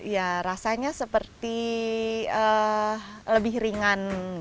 ya rasanya seperti lebih ringan